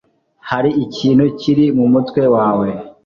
Hari ikintu kiri mu mutwe wawe